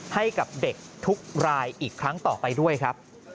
ให้กับเด็กทุกรายอีกครั้งต่อไปด้วยครับ